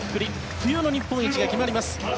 冬の日本一が決まります。